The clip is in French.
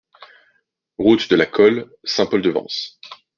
Route de la Colle, Saint-Paul-de-Vence